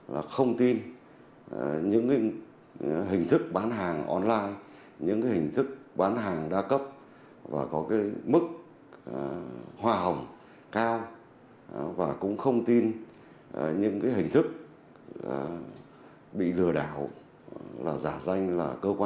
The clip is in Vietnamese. một phần tin tưởng mà không nghĩ mình đã bị lừa